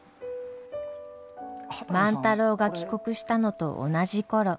万太郎が帰国したのと同じ頃。